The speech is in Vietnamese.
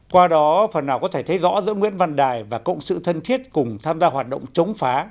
qua đó phần nào có thể thấy rõ giữa nguyễn văn đài và cộng sự thân thiết cùng tham gia hoạt động chống phá